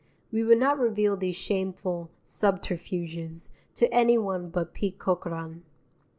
(We would not reveal these shameful subterfuges to any one but Pete Corcoran.)